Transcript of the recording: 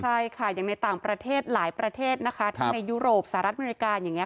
ใช่ค่ะอย่างในต่างประเทศหลายประเทศนะคะทั้งในยุโรปสหรัฐอเมริกาอย่างนี้